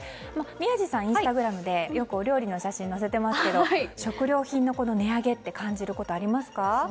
宮司さん、インスタグラムでよくお料理の写真を載せていますけど、食料品の値上げって感じることありますか。